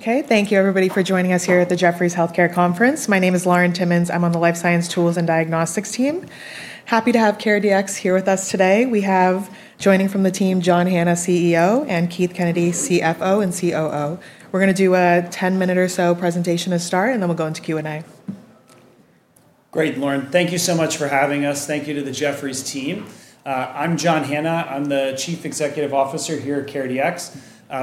Okay, thank you everybody for joining us here at the Jefferies Healthcare Conference. My name is Lauren Timmins. I'm on the Life Science Tools and Diagnostics team. Happy to have CareDx here with us today. We have joining from the team, John Hanna, CEO, and Keith Kennedy, CFO and COO. We're going to do a 10-minute or so presentation to start, and then we'll go into Q&A. Great, Lauren. Thank you so much for having us. Thank you to the Jefferies team. I'm John Hanna. I'm the Chief Executive Officer here at CareDx.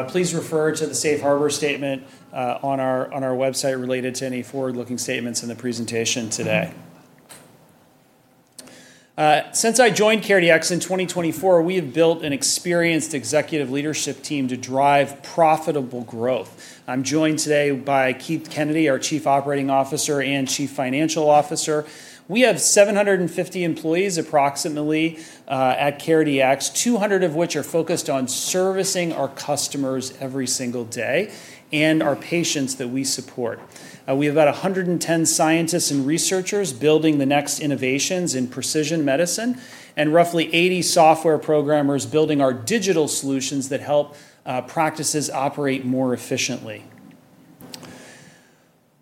Please refer to the Safe Harbor statement on our website related to any forward-looking statements in the presentation today. Since I joined CareDx in 2024, we have built an experienced executive leadership team to drive profitable growth. I'm joined today by Keith Kennedy, our Chief Operating Officer and Chief Financial Officer. We have 750 employees approximately at CareDx, 200 of which are focused on servicing our customers every single day and our patients that we support. We have about 110 scientists and researchers building the next innovations in precision medicine and roughly 80 software programmers building our digital solutions that help practices operate more efficiently.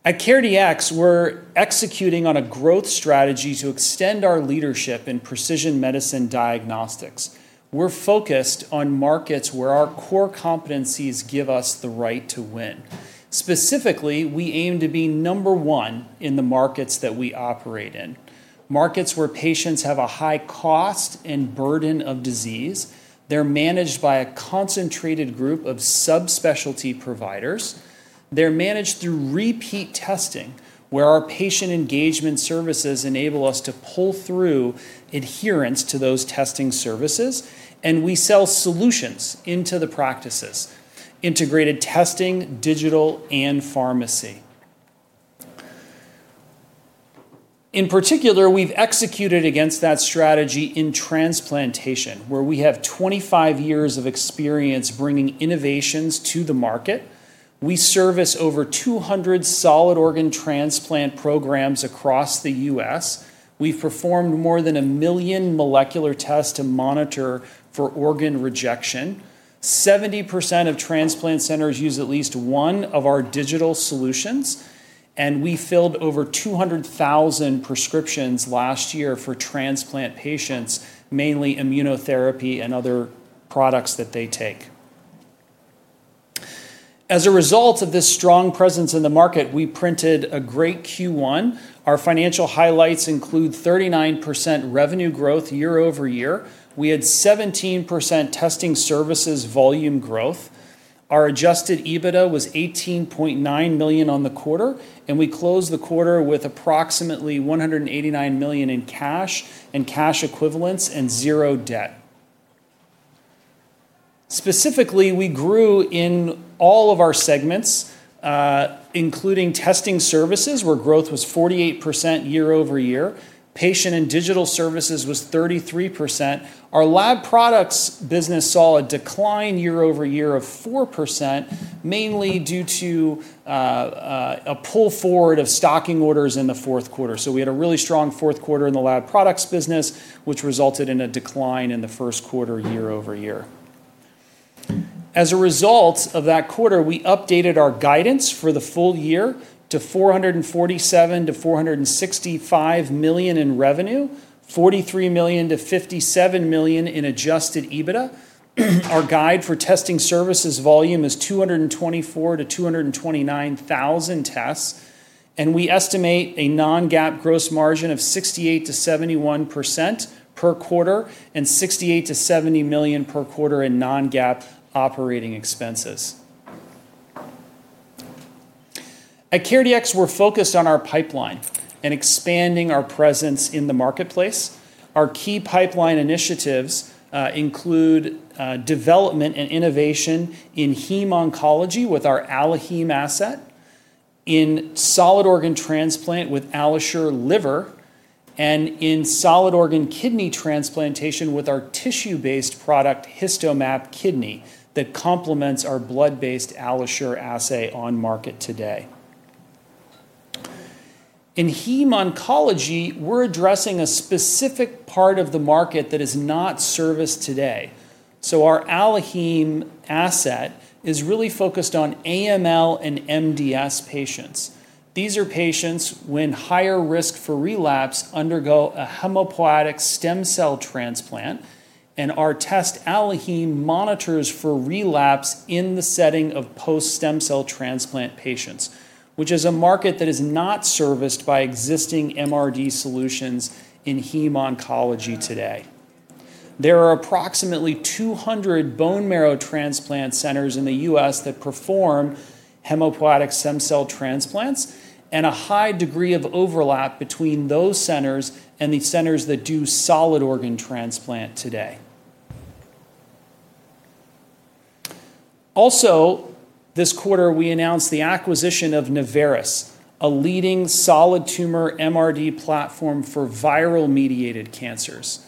At CareDx, we're executing on a growth strategy to extend our leadership in precision medicine diagnostics. We're focused on markets where our core competencies give us the right to win. Specifically, we aim to be number one in the markets that we operate in, markets where patients have a high cost and burden of disease. They're managed by a concentrated group of subspecialty providers. They're managed through repeat testing, where our patient engagement services enable us to pull through adherence to those testing services. We sell solutions into the practices, integrated testing, digital, and pharmacy. In particular, we've executed against that strategy in transplantation, where we have 25 years of experience bringing innovations to the market. We service over 200 solid organ transplant programs across the U.S. We've performed more than a million molecular tests to monitor for organ rejection. 70% of transplant centers use at least one of our digital solutions, and we filled over 200,000 prescriptions last year for transplant patients, mainly immunotherapy and other products that they take. As a result of this strong presence in the market, we printed a great Q1. Our financial highlights include 39% revenue growth year-over-year. We had 17% Testing Services volume growth. Our adjusted EBITDA was $18.9 million on the quarter, and we closed the quarter with approximately $189 million in cash and cash equivalents and zero debt. Specifically, we grew in all of our segments, including Testing Services, where growth was 48% year-over-year. Patient and Digital Services was 33%. Our Lab Products business saw a decline year-over-year of 4%, mainly due to a pull forward of stocking orders in the fourth quarter. We had a really strong fourth quarter in the lab products business, which resulted in a decline in the first quarter year-over-year. As a result of that quarter, we updated our guidance for the full year to $447 million-$465 million in revenue, $43 million-$57 million in adjusted EBITDA. Our guide for testing services volume is 224,000-229,000 tests, and we estimate a non-GAAP gross margin of 68%-71% per quarter and $68 million-$70 million per quarter in non-GAAP operating expenses. At CareDx, we're focused on our pipeline and expanding our presence in the marketplace. Our key pipeline initiatives include development and innovation in heme oncology with our AlloHeme asset, in solid organ transplant with AlloSure Liver, and in solid organ kidney transplantation with our tissue-based product HistoMap Kidney that complements our blood-based AlloSure assay on market today. In heme oncology, we're addressing a specific part of the market that is not serviced today. Our AlloHeme asset is really focused on AML and MDS patients. These are patients when higher risk for relapse undergo a hematopoietic stem cell transplant, and our test, AlloHeme, monitors for relapse in the setting of post-stem cell transplant patients, which is a market that is not serviced by existing MRD solutions in heme oncology today. There are approximately 200 bone marrow transplant centers in the U.S. that perform hematopoietic stem cell transplants and a high degree of overlap between those centers and the centers that do solid organ transplant today. Also, this quarter, we announced the acquisition of Naveris, a leading solid tumor MRD platform for viral-mediated cancers.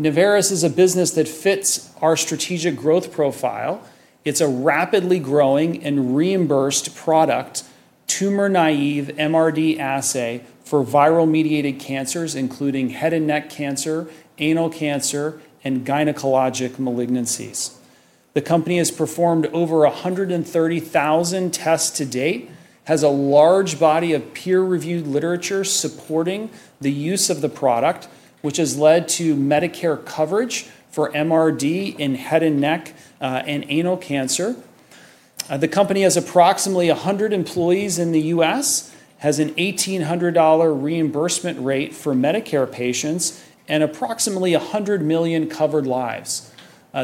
Naveris is a business that fits our strategic growth profile. It's a rapidly growing and reimbursed product tumor-naive MRD assay for viral-mediated cancers, including head and neck cancer, anal cancer, and gynecologic malignancies. The company has performed over 130,000 tests to date, has a large body of peer-reviewed literature supporting the use of the product, which has led to Medicare coverage for MRD in head and neck and anal cancer. The company has approximately 100 employees in the U.S., has an $1,800 reimbursement rate for Medicare patients, and approximately 100 million covered lives.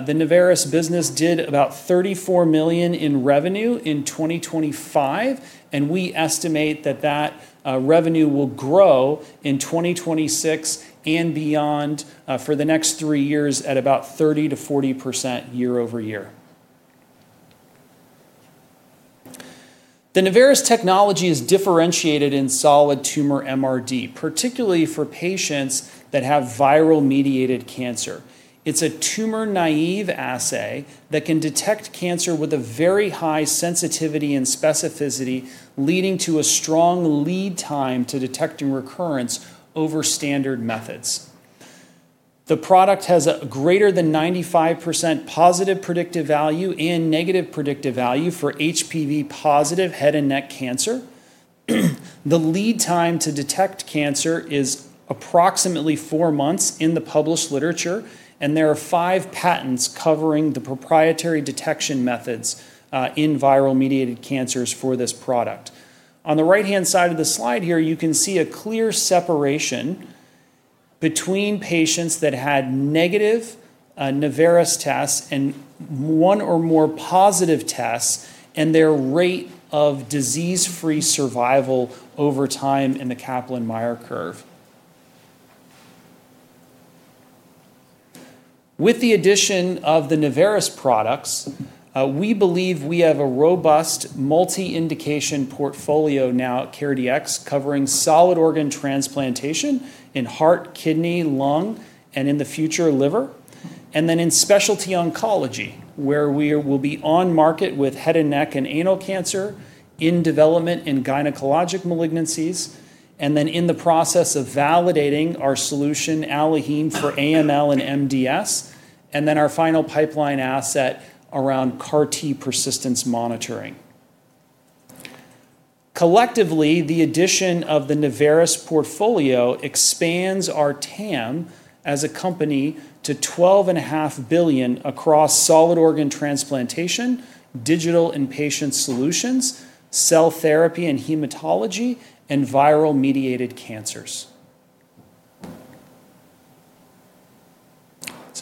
The Naveris business did about $34 million in revenue in 2025, and we estimate that revenue will grow in 2026 and beyond for the next three years at about 30%-40% year-over-year. The Naveris technology is differentiated in solid tumor MRD, particularly for patients that have viral-mediated cancer. It's a tumor-naive assay that can detect cancer with a very high sensitivity and specificity, leading to a strong lead time to detecting recurrence over standard methods. The product has a greater than 95% positive predictive value and negative predictive value for HPV positive head and neck cancer. The lead time to detect cancer is approximately four months in the published literature. There are five patents covering the proprietary detection methods in viral-mediated cancers for this product. On the right-hand side of the slide here, you can see a clear separation between patients that had negative Naveris tests and one or more positive tests, and their rate of disease-free survival over time in the Kaplan-Meier curve. With the addition of the Naveris products, we believe we have a robust multi-indication portfolio now at CareDx covering solid organ transplantation in heart, kidney, lung, and in the future, liver. In specialty oncology, where we will be on market with head and neck and anal cancer, in development in gynecologic malignancies, and in the process of validating our solution, AlloHeme, for AML and MDS, and our final pipeline asset around CAR-T persistence monitoring. Collectively, the addition of the Naveris portfolio expands our TAM as a company to $12.5 billion across solid organ transplantation, digital and patient solutions, cell therapy and hematology, and viral-mediated cancers.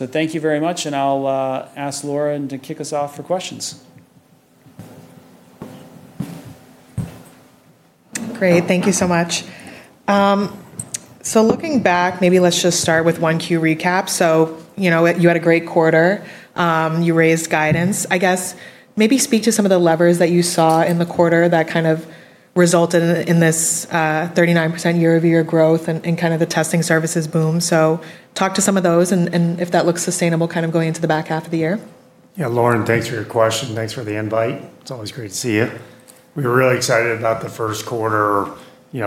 Thank you very much, and I'll ask Lauren to kick us off for questions. Great. Thank you so much. Looking back, maybe let's just start with 1Q recap. You had a great quarter. You raised guidance. I guess maybe speak to some of the levers that you saw in the quarter that resulted in this 39% year-over-year growth and the testing services boom. Talk to some of those and if that looks sustainable going into the back half of the year. Yeah, Lauren, thanks for your question. Thanks for the invite. It's always great to see you. We were really excited about the first quarter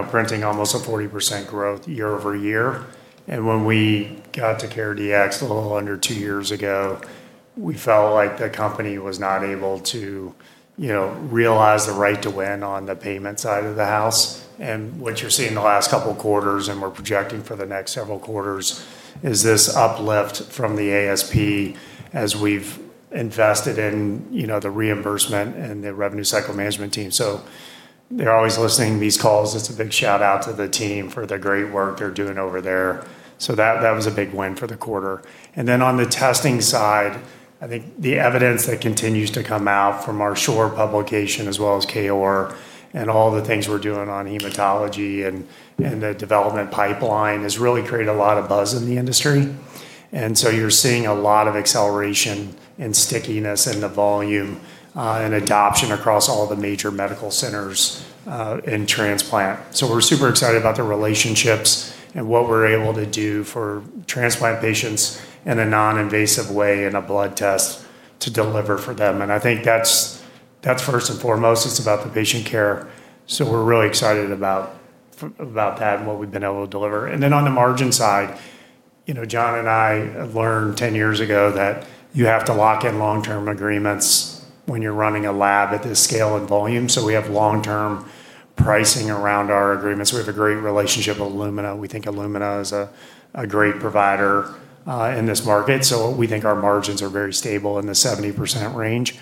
printing almost a 40% growth year-over-year. When we got to CareDx a little under two years ago, we felt like the company was not able to realize the right to win on the payment side of the house. What you're seeing the last couple of quarters, and we're projecting for the next several quarters, is this uplift from the ASP as we've invested in the reimbursement and the revenue cycle management team. They're always listening to these calls. It's a big shout-out to the team for the great work they're doing over there. That was a big win for the quarter. On the testing side, I think the evidence that continues to come out from our SHORE publication as well as KOAR and all the things we're doing on hematology and the development pipeline has really created a lot of buzz in the industry. You're seeing a lot of acceleration and stickiness in the volume and adoption across all the major medical centers in transplant. We're super excited about the relationships and what we're able to do for transplant patients in a non-invasive way in a blood test to deliver for them. I think that's first and foremost, it's about the patient care. We're really excited about that and what we've been able to deliver. On the margin side, John and I learned 10 years ago that you have to lock in long-term agreements when you're running a lab at this scale and volume. We have long-term pricing around our agreements. We have a great relationship with Illumina. We think Illumina is a great provider in this market, so we think our margins are very stable in the 70% range.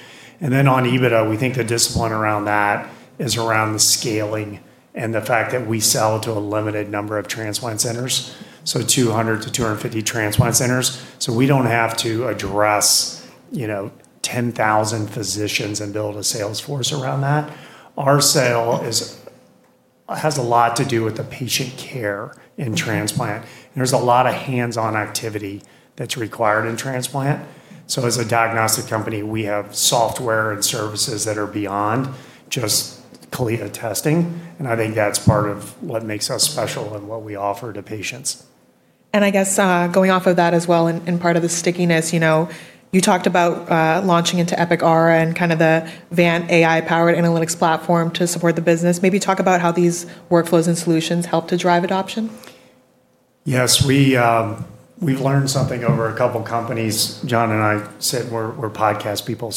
On EBITDA, we think the discipline around that is around the scaling and the fact that we sell to a limited number of transplant centers, so 200-250 transplant centers. We don't have to address 10,000 physicians and build a sales force around that. Our sale has a lot to do with the patient care in transplant, and there's a lot of hands-on activity that's required in transplant. As a diagnostic company, we have software and services that are beyond just CLIA testing, and I think that's part of what makes us special and what we offer to patients. I guess going off of that as well and part of the stickiness, you talked about launching into Epic Aura and the VANTx AI-powered analytics platform to support the business. Maybe talk about how these workflows and solutions help to drive adoption? We've learned something over a couple of companies. John and I said we're podcast people.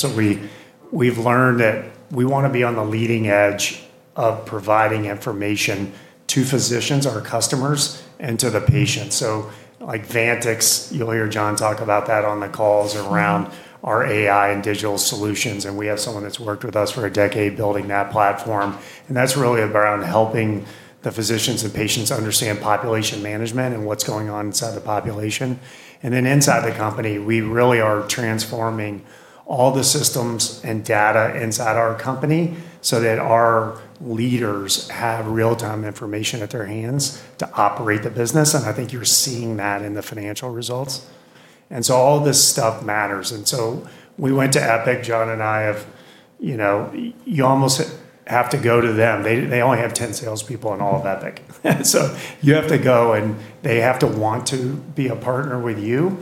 We've learned that we want to be on the leading edge of providing information to physicians, our customers, and to the patients. Like VANTx, you'll hear John talk about that on the calls around our AI and digital solutions. We have someone that's worked with us for a decade building that platform. That's really around helping the physicians and patients understand population management and what's going on inside the population. Inside the company, we really are transforming all the systems and data inside our company so that our leaders have real-time information at their hands to operate the business. I think you're seeing that in the financial results. All this stuff matters. We went to Epic. John and I have, you almost have to go to them. They only have 10 salespeople in all of Epic. You have to go, and they have to want to be a partner with you.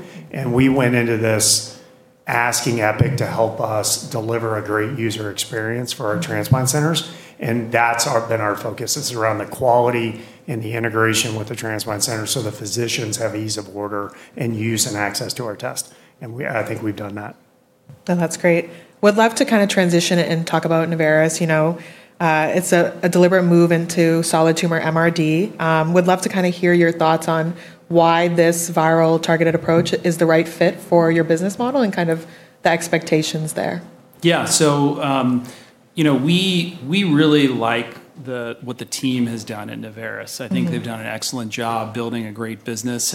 We went into this asking Epic to help us deliver a great user experience for our transplant centers, and that's been our focus is around the quality and the integration with the transplant centers so the physicians have ease of order and use and access to our test. I think we've done that. That's great. Would love to kind of transition and talk about Naveris. It's a deliberate move into solid tumor MRD. Would love to hear your thoughts on why this viral-targeted approach is the right fit for your business model and the expectations there. Yeah. We really like what the team has done at Naveris. I think they've done an excellent job building a great business.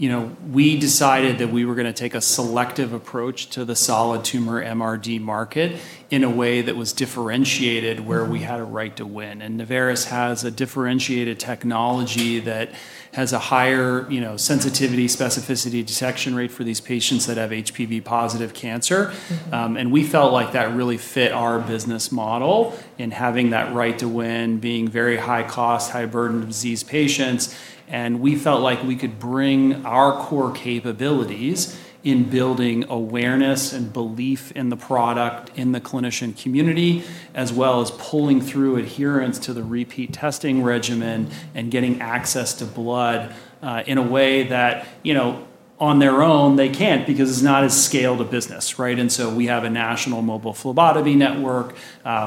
We decided that we were going to take a selective approach to the solid tumor MRD market in a way that was differentiated where we had a right to win. Naveris has a differentiated technology that has a higher sensitivity, specificity, detection rate for these patients that have HPV-positive cancer. We felt like that really fit our business model in having that right to win, being very high cost, high burden of disease patients, and we felt like we could bring our core capabilities in building awareness and belief in the product in the clinician community, as well as pulling through adherence to the repeat testing regimen and getting access to blood, in a way that, on their own, they can't because it's not as scaled a business. Right? We have a national mobile phlebotomy network.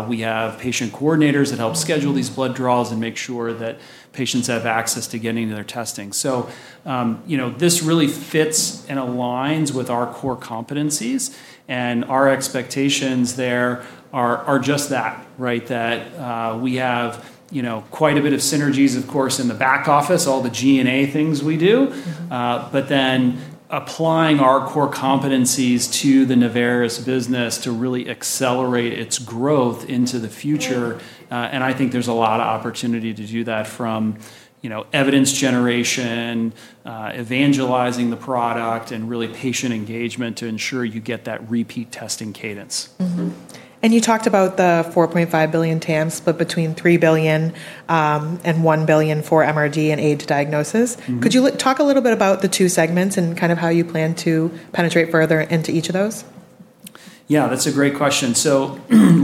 We have patient coordinators that help schedule these blood draws and make sure that patients have access to getting their testing. This really fits and aligns with our core competencies, and our expectations there are just that, right? That we have quite a bit of synergies, of course, in the back office, all the G&A things we do. Applying our core competencies to the Naveris business to really accelerate its growth into the future. I think there's a lot of opportunity to do that from evidence generation, evangelizing the product, and really patient engagement to ensure you get that repeat testing cadence. You talked about the $4.5 billion TAM split between $3 billion and $1 billion for MRD and aid to diagnosis. Could you talk a little bit about the two segments and how you plan to penetrate further into each of those? Yeah, that's a great question.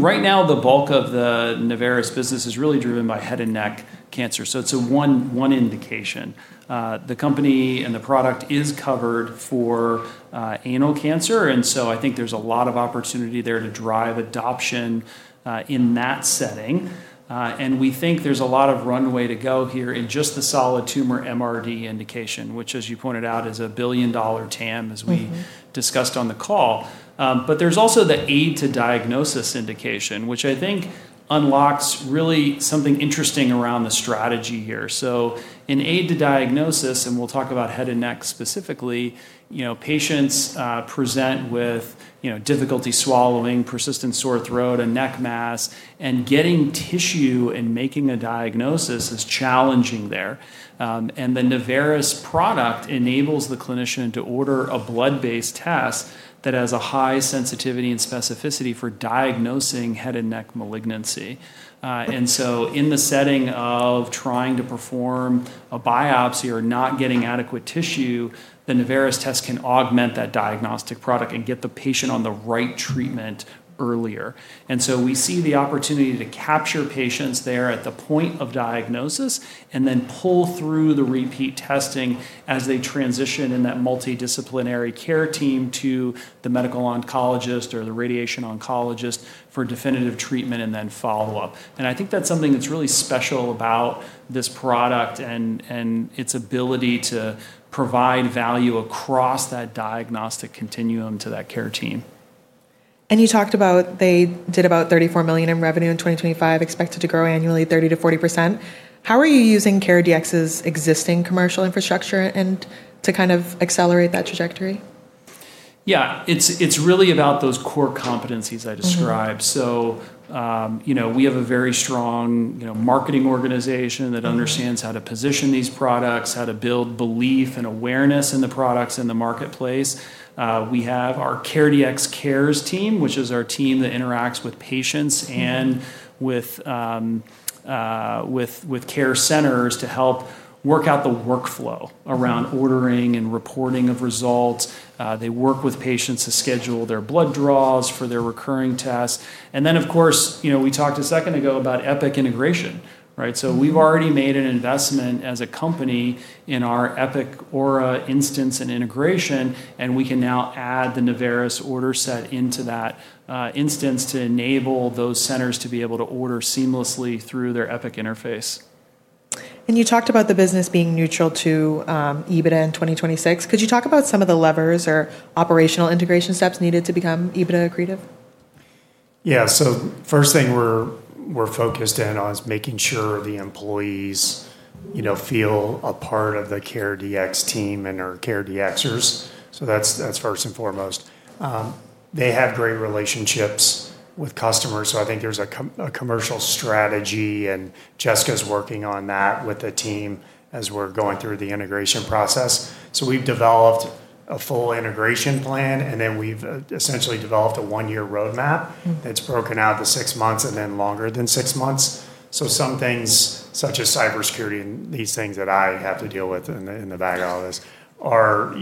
Right now, the bulk of the Naveris business is really driven by head and neck cancer. It's one indication. The company and the product is covered for anal cancer. I think there's a lot of opportunity there to drive adoption in that setting. We think there's a lot of runway to go here in just the solid tumor MRD indication, which as you pointed out, is a billion-dollar TAM as we discussed on the call. There's also the aid to diagnosis indication, which I think unlocks really something interesting around the strategy here. In aid to diagnosis, and we'll talk about head and neck specifically, patients present with difficulty swallowing, persistent sore throat, a neck mass, and getting tissue and making a diagnosis is challenging there. The Naveris product enables the clinician to order a blood-based test that has a high sensitivity and specificity for diagnosing head and neck malignancy. In the setting of trying to perform a biopsy or not getting adequate tissue, the Naveris test can augment that diagnostic product and get the patient on the right treatment earlier. We see the opportunity to capture patients there at the point of diagnosis and then pull through the repeat testing as they transition in that multidisciplinary care team to the medical oncologist or the radiation oncologist for definitive treatment and then follow-up. I think that's something that's really special about this product and its ability to provide value across that diagnostic continuum to that care team. You talked about they did about $34 million in revenue in 2025, expected to grow annually 30%-40%. How are you using CareDx's existing commercial infrastructure to kind of accelerate that trajectory? It's really about those core competencies I described. We have a very strong marketing organization that understands how to position these products, how to build belief and awareness in the products in the marketplace. We have our CareDx Care Team, which is our team that interacts with patients and with care centers to help work out the workflow around ordering and reporting of results. They work with patients to schedule their blood draws for their recurring tests. Of course, we talked a second ago about Epic integration. Right. We've already made an investment as a company in our Epic Aura instance and integration, and we can now add the Naveris order set into that instance to enable those centers to be able to order seamlessly through their Epic interface. You talked about the business being neutral to EBITDA in 2026. Could you talk about some of the levers or operational integration steps needed to become EBITDA accretive? Yeah. First thing we're focused in on is making sure the employees feel a part of the CareDx team and are CareDx-ers. That's first and foremost. They have great relationships with customers, so I think there's a commercial strategy, and Jessica's working on that with the team as we're going through the integration process. We've developed a full integration plan, and then we've essentially developed a one-year roadmap that's broken out to six months and then longer than six months. Some things, such as cybersecurity and these things that I have to deal with in the back of all this are.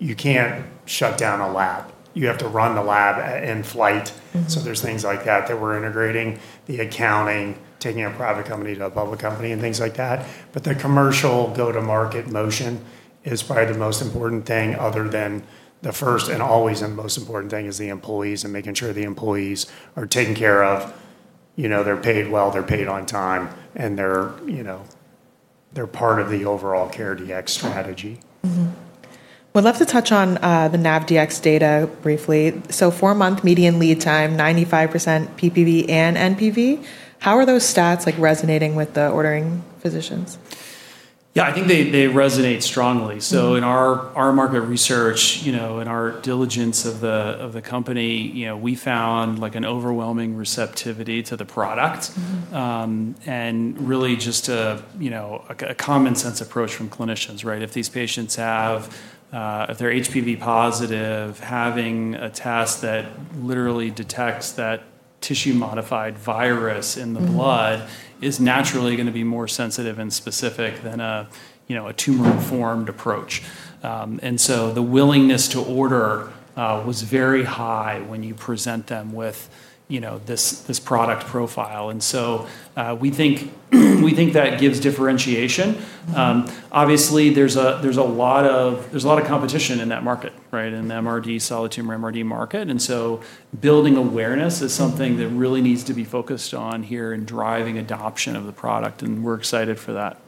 You can't shut down a lab. You have to run the lab in flight. There's things like that we're integrating, the accounting, taking a private company to a public company and things like that. The commercial go-to-market motion is probably the most important thing other than the first and always and most important thing is the employees and making sure the employees are taken care of. They're paid well, they're paid on time, and they're part of the overall CareDx strategy. Mm-hmm. Would love to touch on the NavDx data briefly. Four-month median lead time, 95% PPV and NPV. How are those stats resonating with the ordering physicians? Yeah, I think they resonate strongly. In our market research, in our diligence of the company, we found an overwhelming receptivity to the product. Really just a common sense approach from clinicians. If these patients, if they're HPV positive, having a test that literally detects that tissue modified virus in the blood is naturally going to be more sensitive and specific than a tumor-informed approach. The willingness to order was very high when you present them with this product profile. We think that gives differentiation. Obviously, there's a lot of competition in that market, in the MRD, solid tumor MRD market. Building awareness is something that really needs to be focused on here in driving adoption of the product, and we're excited for that.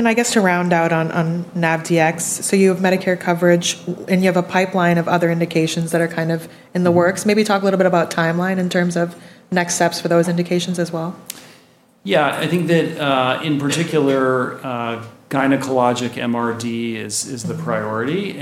I guess to round out on NavDx, you have Medicare coverage and you have a pipeline of other indications that are in the works. Maybe talk a little bit about timeline in terms of next steps for those indications as well. Yeah. I think that, in particular, gynecologic MRD is the priority.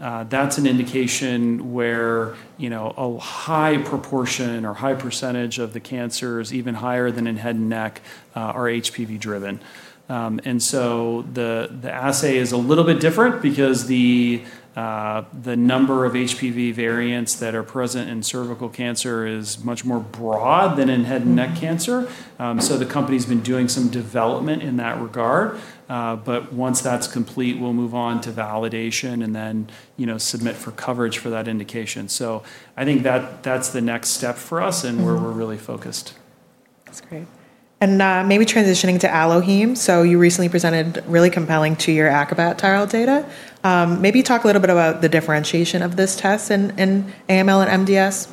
That's an indication where a high proportion or high percentage of the cancers, even higher than in head and neck, are HPV driven. The assay is a little bit different because the number of HPV variants that are present in cervical cancer is much more broad than in head and neck cancer. The company's been doing some development in that regard. Once that's complete, we'll move on to validation and then submit for coverage for that indication. I think that's the next step for us and where we're really focused. That's great. Maybe transitioning to AlloHeme, you recently presented really compelling two-year ACROBAT trial data. Maybe talk a little bit about the differentiation of this test in AML and MDS.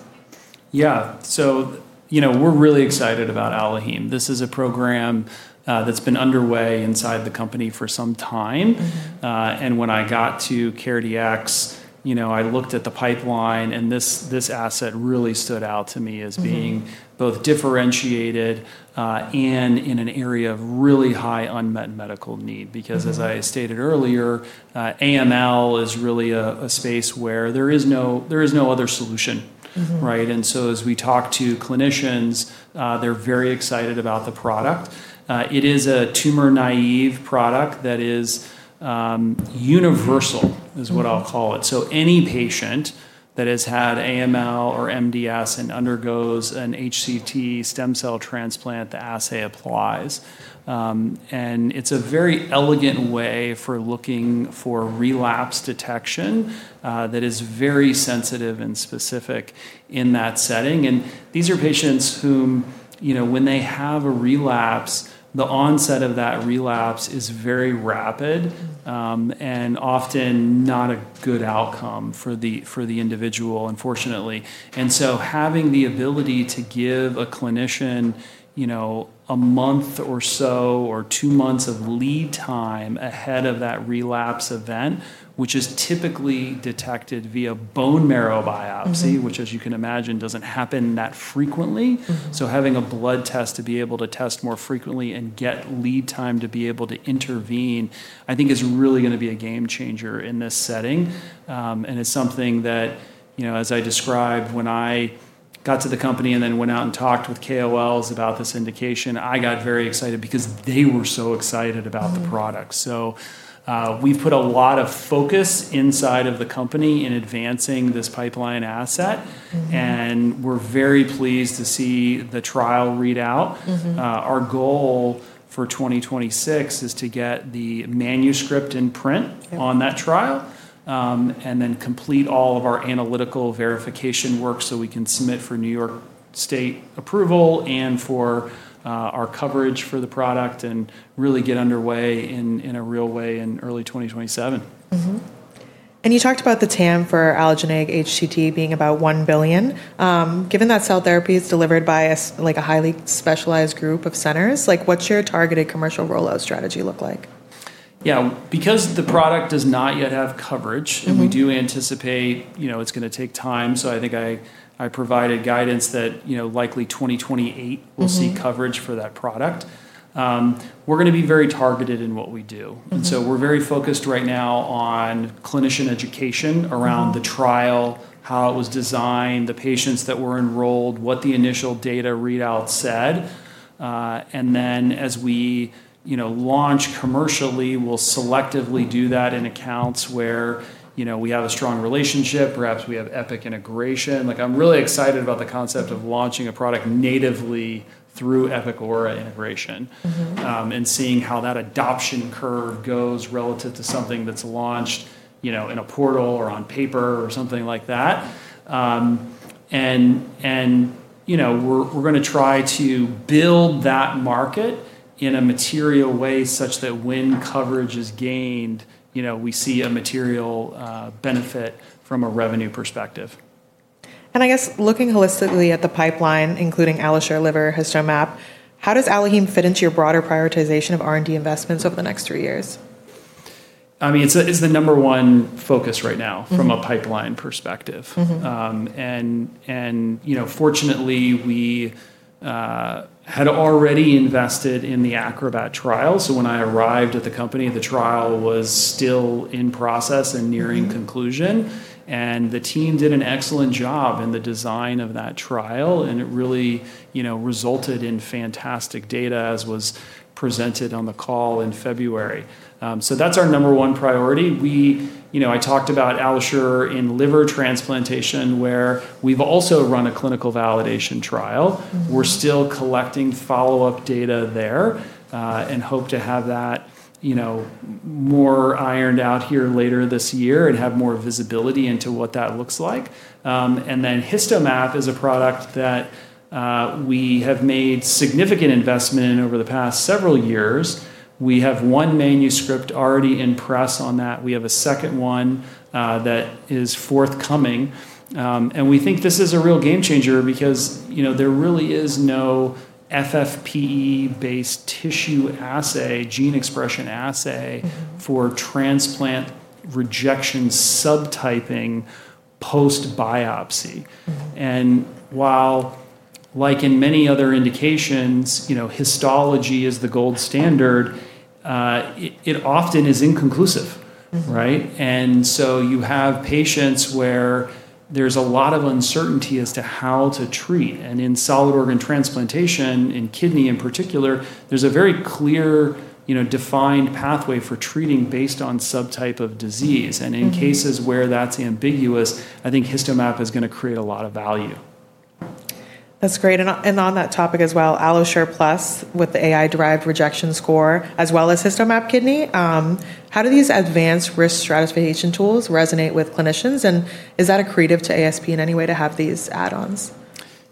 We're really excited about AlloHeme. This is a program that's been underway inside the company for some time. When I got to CareDx, I looked at the pipeline, and this asset really stood out to me. As being both differentiated and in an area of really high unmet medical need. As I stated earlier, AML is really a space where there is no other solution. As we talk to clinicians, they're very excited about the product. It is a tumor-naive product that is universal, is what I'll call it. Any patient that has had AML or MDS and undergoes an HCT stem cell transplant, the assay applies. It's a very elegant way for looking for relapse detection that is very sensitive and specific in that setting. These are patients whom, when they have a relapse, the onset of that relapse is very rapid and often not a good outcome for the individual, unfortunately. Having the ability to give a clinician a month or so, or two months of lead time ahead of that relapse event, which is typically detected via bone marrow biopsy which as you can imagine, doesn't happen that frequently. Having a blood test to be able to test more frequently and get lead time to be able to intervene, I think is really going to be a game changer in this setting. It's something that, as I described when I got to the company and then went out and talked with KOLs about this indication, I got very excited because they were so excited about the product. We've put a lot of focus inside of the company in advancing this pipeline asset. We're very pleased to see the trial read out. Our goal for 2026 is to get the manuscript in print on that trial. Complete all of our analytical verification work so we can submit for New York State approval and for our coverage for the product and really get underway in a real way in early 2027. You talked about the TAM for allogeneic HCT being about $1 billion. Given that cell therapy is delivered by a highly specialized group of centers, what's your targeted commercial rollout strategy look like? Yeah. The product does not yet have coverage, and we do anticipate it's going to take time, so I think I provided guidance that likely 2028 we'll see coverage for that product. We're going to be very targeted in what we do. We're very focused right now on clinician education around the trial, how it was designed, the patients that were enrolled, what the initial data readout said. As we launch commercially, we'll selectively do that in accounts where we have a strong relationship, perhaps we have Epic integration. I'm really excited about the concept of launching a product natively through Epic or integration. Seeing how that adoption curve goes relative to something that's launched in a portal or on paper or something like that. We're going to try to build that market in a material way such that when coverage is gained, we see a material benefit from a revenue perspective. I guess looking holistically at the pipeline, including AlloSure Liver, HistoMap, how does AlloHeme fit into your broader prioritization of R&D investments over the next three years? It's the number one focus right now from a pipeline perspective. Fortunately, we had already invested in the ACROBAT trial, so when I arrived at the company, the trial was still in process and nearing conclusion. The team did an excellent job in the design of that trial, and it really resulted in fantastic data, as was presented on the call in February. That's our number one priority. I talked about AlloSure in liver transplantation, where we've also run a clinical validation trial. We're still collecting follow-up data there. Hope to have that more ironed out here later this year and have more visibility into what that looks like. HistoMap is a product that we have made significant investment in over the past several years. We have one manuscript already in press on that. We have a second one that is forthcoming. We think this is a real game changer because there really is no FFPE-based tissue assay, gene expression assay for transplant rejection subtyping post biopsy. While, like in many other indications, histology is the gold standard, it often is inconclusive, right? You have patients where there's a lot of uncertainty as to how to treat. In solid organ transplantation, in kidney in particular, there's a very clear, defined pathway for treating based on subtype of disease. In cases where that's ambiguous, I think HistoMap is going to create a lot of value. That's great. On that topic as well, AlloSure Plus with the AI-derived rejection score, as well as HistoMap Kidney, how do these advanced risk stratification tools resonate with clinicians? Is that accretive to ASP in any way to have these add-ons?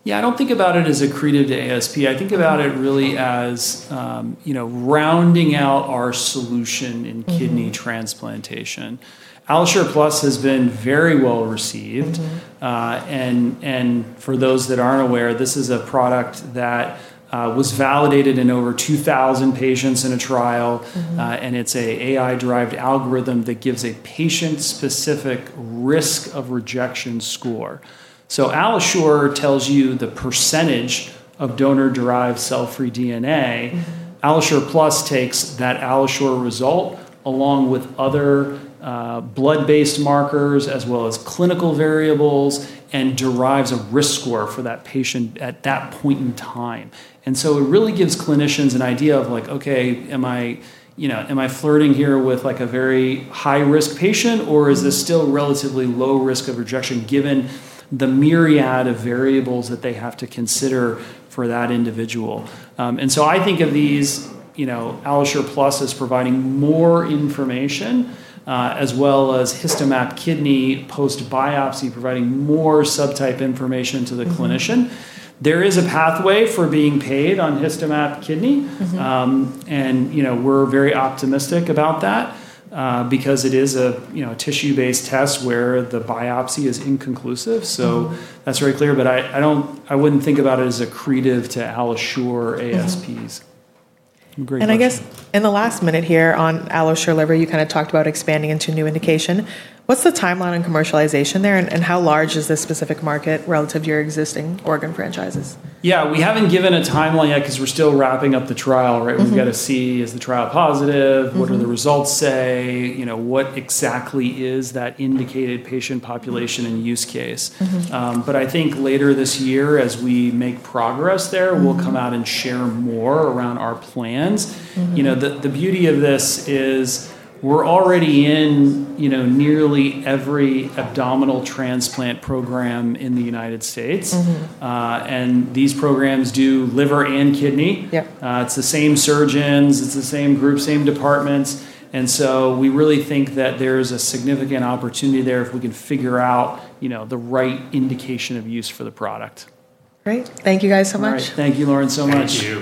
Yeah, I don't think about it as accretive to ASP. I think about it really as rounding out our solution in kidney transplantation. AlloSure Plus has been very well-received. For those that aren't aware, this is a product that was validated in over 2,000 patients in a trial. It's an AI-derived algorithm that gives a patient-specific risk of rejection score. AlloSure tells you the percentage of donor-derived cell-free DNA. AlloSure Plus takes that AlloSure result, along with other blood-based markers as well as clinical variables, and derives a risk score for that patient at that point in time. It really gives clinicians an idea of like, "Okay, am I flirting here with a very high-risk patient, or is this still relatively low risk of rejection?" given the myriad of variables that they have to consider for that individual. I think of these AlloSure Plus as providing more information, as well as HistoMap Kidney post biopsy providing more subtype information to the clinician. There is a pathway for being paid on HistoMap Kidney. We're very optimistic about that, because it is a tissue-based test where the biopsy is inconclusive. That's very clear, but I wouldn't think about it as accretive to AlloSure ASPs. Yeah. I guess in the last minute here on AlloSure Liver, you talked about expanding into new indication. What's the timeline on commercialization there, and how large is this specific market relative to your existing organ franchises? Yeah. We haven't given a timeline yet because we're still wrapping up the trial, right? We've got to see, is the trial positive? What do the results say? What exactly is that indicated patient population and use case? I think later this year, as we make progress there. We'll come out and share more around our plans. The beauty of this is we're already in nearly every abdominal transplant program in the United States. These programs do liver and kidney. Yep. It's the same surgeons, it's the same group, same departments, and so we really think that there's a significant opportunity there if we can figure out the right indication of use for the product. Great. Thank you guys so much. All right. Thank you, Lauren, so much. Thank you.